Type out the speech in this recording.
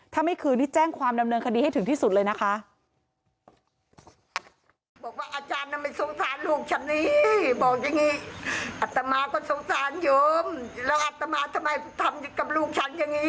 ถ้าไม่คืนนี่แจ้งความดำเนินคดีให้ถึงที่สุดเลยนะคะ